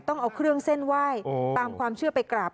ต้องเอาเครื่องเส้นไหว้ตามความเชื่อไปกราบ